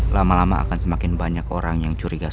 lama lama akan semakin banyak orang yang akan mencari andin dan roy